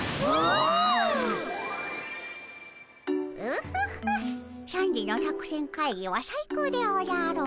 オホホッ３時の作戦会議は最高でおじゃる。